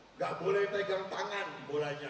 nggak boleh pegang tangan bolanya